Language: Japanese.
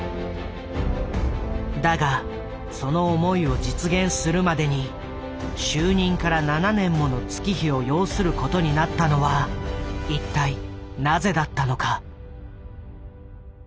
だがその思いを実現するまでに就任から７年もの月日を要することになったのは一体なぜだったのか。